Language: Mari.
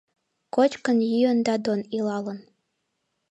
Кочкын-йӱын Дадон илалын.